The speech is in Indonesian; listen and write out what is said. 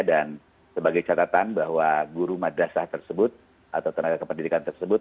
dan sebagai catatan bahwa guru madrasah tersebut atau tenaga kependidikan tersebut